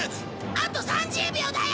あと３０秒だよ！